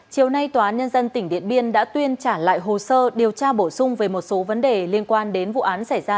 chiều nay tòa án nhân dân tỉnh điện biên đã tuyên trả lại hồ sơ điều tra bổ sung về một số vấn đề liên quan đến vụ án xảy ra